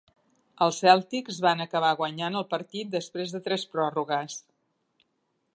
Els Celtics van acabar guanyant el partit després de tres pròrrogues.